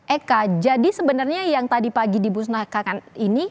eka jadi sebenarnya yang tadi pagi dimusnahkan ini